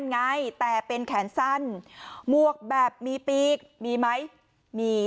ไงแต่เป็นแขนสั้นหมวกแบบมีปีกมีไหมมี